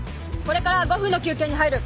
これから５分の休憩に入る。